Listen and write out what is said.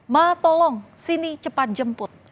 ma tolong sini cepat jemput